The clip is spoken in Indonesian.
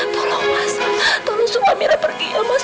tolong mas tolong supamirah pergi ya mas